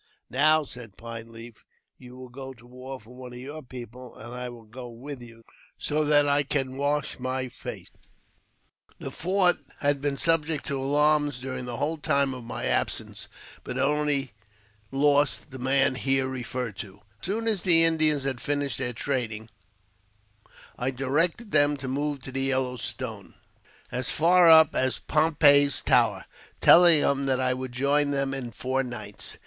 " Now," said Pine Leaf, " you will go to war for one of ! your people, and I will go with you, so that I can wash my face." ; The fort had been subject to alarms during the whole time 1 of my absence, but had only lost the man here referred to. j As soon as the Indians had finished their trading, I directed I them to move to the Yellow Stone, as far up as " Pompey's Tower," telling them that I would join them in four nights.